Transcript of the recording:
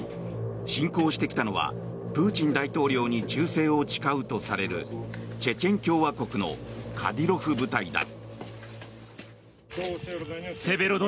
侵攻してきたのはプーチン大統領に忠誠を誓うとされるチェチェン共和国のカディロフ部隊だ。